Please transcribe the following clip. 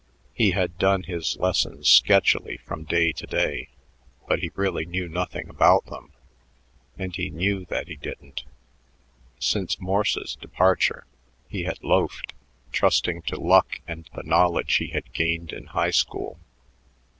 He had done his lessons sketchily from day to day, but he really knew nothing about them, and he knew that he didn't. Since Morse's departure, he had loafed, trusting to luck and the knowledge he had gained in high school.